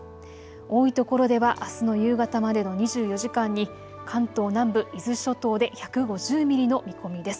多いところではあすの夕方までの２４時間に関東南部、伊豆諸島で１５０ミリの見込みです。